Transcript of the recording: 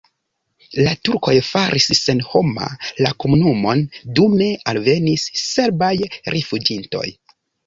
La turkoj faris senhoma la komunumon, dume alvenis serbaj rifuĝintoj.